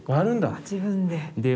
自分で。